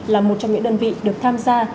là một trong những đơn vị được tham gia